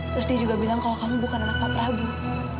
terus dia juga bilang kalau kamu bukan anak pak prabowo